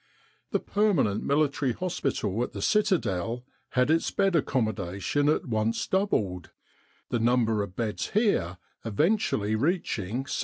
The permanent Military Hospital at the Citadel had its bed accommodation at once doubled, the number of beds here eventually reaching 775.